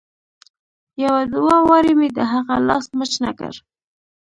يو دوه وارې مې د هغه لاس مچ نه کړ.